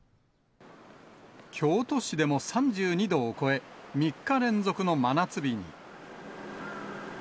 京都市でも３２度を超え、３日連続の真夏日に。